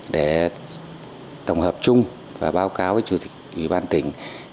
để tổng hợp chung và báo cáo với chủ tịch ủy ban tỉnh